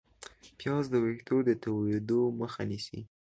پیاز د ویښتو د تویېدو مخه نیسي